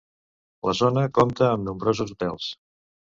La zona compta amb nombrosos hotels.